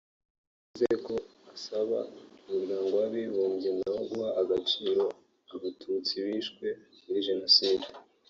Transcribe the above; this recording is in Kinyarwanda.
yavuze ko basaba Umuryango w’Abibumbye nawo guha agaciro Abatutsi bishwe muri Jenoside